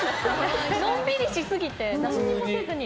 のんびりしすぎて何にもせずに。